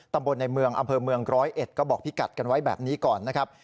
ตำบลในเมืองอำเภอเมืองร้อยเอ็ดก็บอกพี่กัดกันไว้แบบนี้ก่อนนะครับ